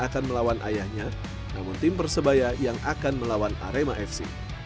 akan melawan ayahnya namun tim persebaya yang akan melawan arema fc